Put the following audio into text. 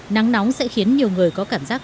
nắng nóng sẽ khiến nhiều người có cảm giác